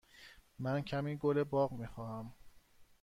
من کمی گل باغ می خواهم.